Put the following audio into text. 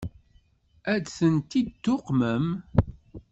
Ad tent-id-tuqmem?